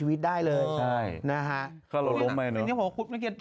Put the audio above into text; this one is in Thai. มากกกกกกกกกกกก